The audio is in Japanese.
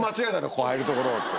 ここ入るところ」って。